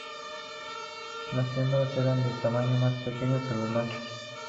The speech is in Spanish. Las hembras eran de tamaño más pequeño que los machos.